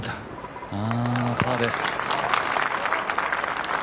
パーです。